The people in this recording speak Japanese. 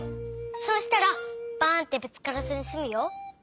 そうしたらバンってぶつからずにすむよ。